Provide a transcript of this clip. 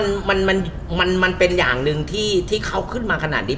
ผมว่ามันเป็นอย่างนึงที่เขาขึ้นมาขนาดนี้